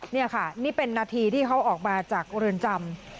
นี่ค่ะนี่เป็นนาทีที่เขาออกมาจากเรือนจำ